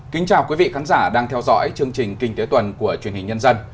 kính chào quý vị khán giả đang theo dõi chương trình kinh tế tuần của truyền hình nhân dân